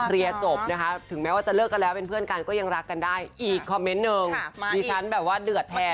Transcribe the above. เรียนจบนะคะถึงแม้ว่าจะเลิกกันแล้วเป็นเพื่อนกันก็ยังรักกันได้อีกคอมเมนต์หนึ่งดิฉันแบบว่าเดือดแทน